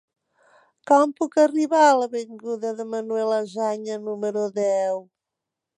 Com puc arribar a l'avinguda de Manuel Azaña número deu?